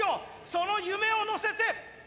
その夢を乗せて。